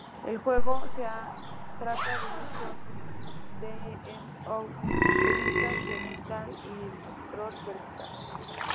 El juego se trata de un shoot-em up de vista cenital y scroll vertical.